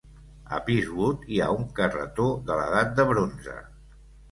A Peacewood hi ha un carretó de l'edat de bronze.